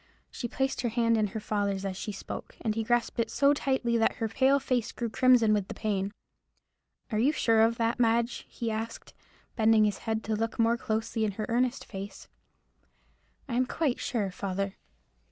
She placed her hand in her father's as she spoke, and he grasped it so tightly that her pale face grew crimson with the pain. "Are you sure of that, Madge?" he asked, bending his head to look more closely in her earnest face. "I am quite sure, father."